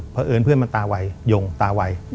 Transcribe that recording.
เพราะเอิญเพื่อนมันตาไวยงตาไว